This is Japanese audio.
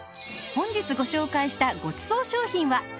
本日ご紹介したごちそう商品は